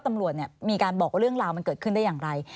แผนเนี่ย